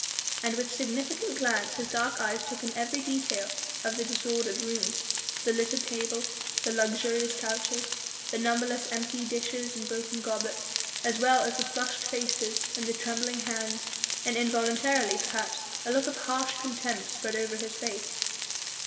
And with significant glance his dark eyes took in every detail of the disordered room the littered table, the luxurious couches, the numberless empty dishes and broken goblets as well as the flushed faces and the trembling hands, and involuntarily, perhaps, a look of harsh contempt spread over his face.